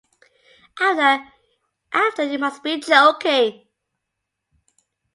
After You Must Be Joking!